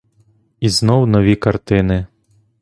І знов нові картини.